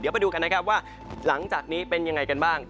เดี๋ยวไปดูกันนะครับว่าหลังจากนี้เป็นยังไงกันบ้าง